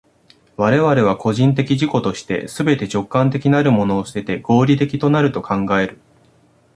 我々は個人的自己として、すべて直観的なるものを棄てて、合理的となると考える。